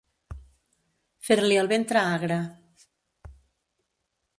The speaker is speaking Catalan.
Fer-li el ventre agre.